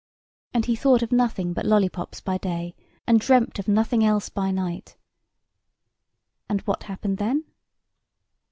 And he thought of nothing but lollipops by day, and dreamt of nothing else by night—and what happened then?